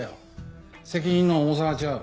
責任の重さが違う。